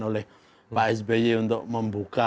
oleh pak sby untuk membuka